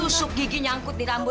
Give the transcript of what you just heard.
tusuk gigi nyangkut di rambut